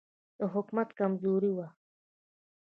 د حکومت کمزوري وه.